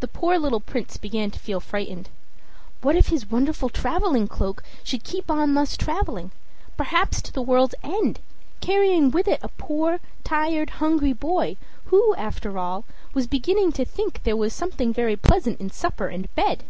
The poor little Prince began to feel frightened. What if his wonderful traveling cloak should keep on thus traveling, perhaps to the world's end, carrying with it a poor, tired, hungry boy, who, after all, was beginning to think there was something very pleasant in supper and bed!